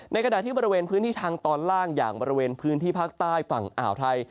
ขณะที่บริเวณพื้นที่ทางตอนล่างอย่างบริเวณพื้นที่ภาคใต้ฝั่งอ่าวไทย